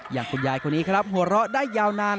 อย่างคุณยายคนนี้ครับหัวเราะได้ยาวนาน